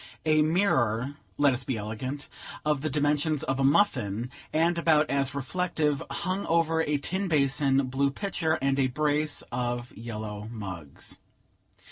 A mirror (let us be elegant!) of the dimensions of a muffin, and about as reflective, hung over a tin basin, blue pitcher, and a brace of yellow mugs.